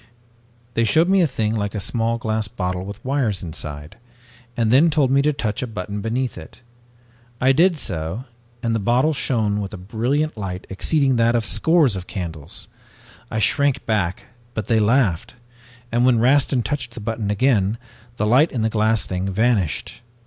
"They showed me a thing like a small glass bottle with wires inside, and then told me to touch a button beneath it. I did so and the bottle shone with a brilliant light exceeding that of scores of candles. I shrank back, but they laughed, and when Rastin touched the button again, the light in the glass thing vanished.